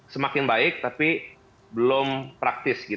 semakin baik tapi belum praktis